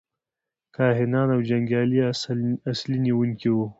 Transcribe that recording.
کاهنان او جنګیالي اصلي نیونکي وو.